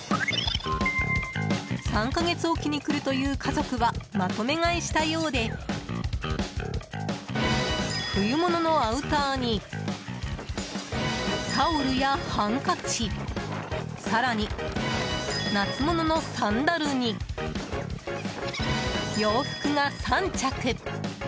３か月おきに来るという家族はまとめ買いしたようで冬物のアウターにタオルやハンカチ更に、夏物のサンダルに洋服が３着。